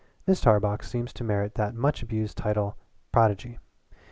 "Mrs. Tarbox seems to merit that much abused title 'prodigy.'